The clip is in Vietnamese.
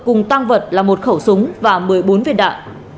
cùng tăng vật là một khẩu súng và một mươi bốn viên đạn